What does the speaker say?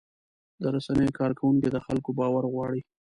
د رسنیو کارکوونکي د خلکو باور غواړي.